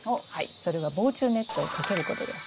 それは防虫ネットをかけることです。